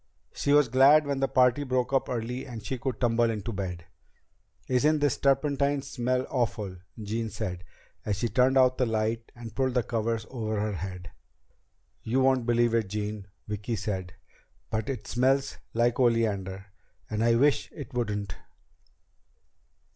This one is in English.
She was glad when the party broke up early and she could tumble into bed. "Isn't this turpentine smell awful?" Jean said as she turned out the light and pulled the covers up over her head. "You won't believe it, Jean," Vicki said, "but it smells like oleander. And I wish it wouldn't."